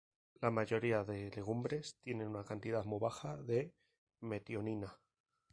La mayoría de legumbres, tienen una cantidad muy baja de metionina.